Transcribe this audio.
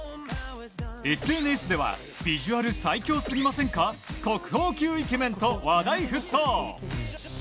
ＳＮＳではビジュアル最強すぎませんか国宝級イケメンと話題沸騰。